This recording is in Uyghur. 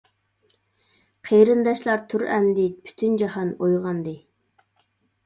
قېرىنداشلار تۇر ئەمدى، پۈتۈن جاھان ئويغاندى.